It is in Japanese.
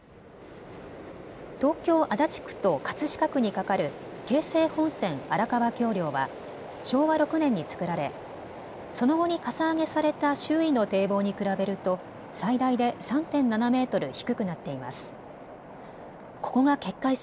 東京足立区と葛飾区に架かる京成本線荒川橋梁は昭和６年に作られその後にかさ上げされた周囲の堤防に比べると最大で３．７メートル低くなっています。